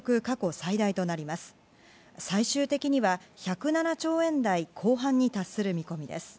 最終的には１０７兆円台後半に達する見込みです。